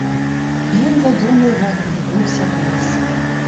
Він задумливо подивився вниз.